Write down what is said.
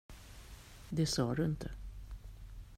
Det sa du inte.